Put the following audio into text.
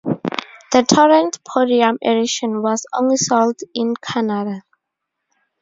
The Torrent Podium Edition was only sold in Canada.